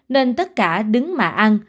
nên tất cả đứng mà ăn